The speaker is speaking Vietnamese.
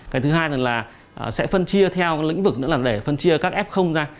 cái thứ hai là sẽ phân chia theo lĩnh vực nữa là để phân chia các f ra